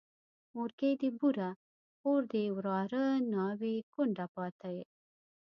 مورکۍ دي بوره، خور دي وراره، ناوې کونډه پاته